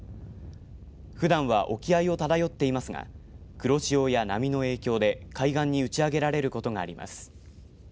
ふだんは沖合を漂っていますが黒潮や波の影響で海岸に打ち上げられることがあります。